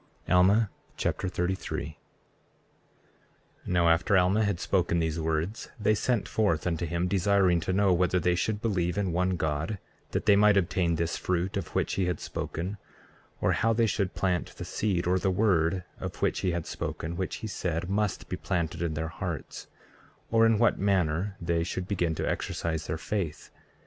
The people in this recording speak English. Alma Chapter 33 33:1 Now after Alma had spoken these words, they sent forth unto him desiring to know whether they should believe in one God, that they might obtain this fruit of which he had spoken, or how they should plant the seed, or the word of which he had spoken, which he said must be planted in their hearts; or in what manner they should begin to exercise their faith.